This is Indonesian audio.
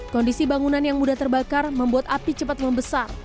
kondisi bangunan yang mudah terbakar membuat api cepat membesar